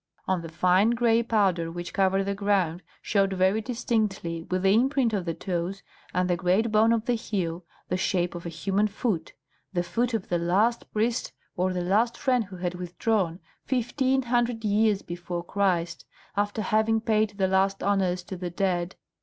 On the fine gray powder which covered the ground showed very distinctly, with the imprint of the toes and the great bone of the heel, the shape of a human foot, the foot of the last priest or the last friend who had withdrawn, fifteen hundred years before Christ, after having paid the last honours to the dead.